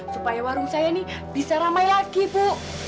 supaya warung saya ini bisa ramai lagi bu